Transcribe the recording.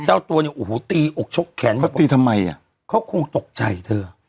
เจ้าตัวเนี่ยโอ้โหตีอกชกแขนมาตีทำไมอ่ะเขาคงตกใจเธอ